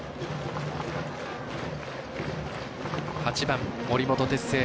８番、森本哲星。